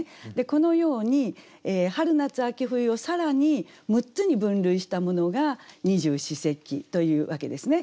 このように春夏秋冬を更に６つに分類したものが二十四節気というわけですね。